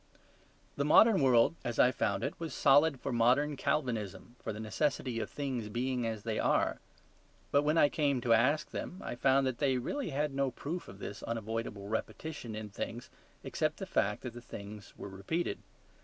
The modern world as I found it was solid for modern Calvinism, for the necessity of things being as they are. But when I came to ask them I found they had really no proof of this unavoidable repetition in things except the fact that the things were repeated.